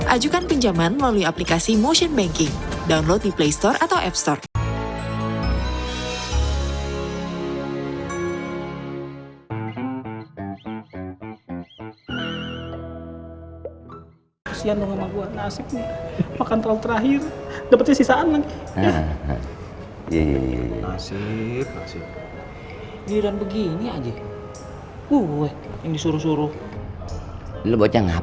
ajukan pinjaman melalui aplikasi motion banking download di play store atau app store